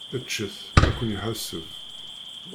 Ččet! Ad ken-iḥaseb!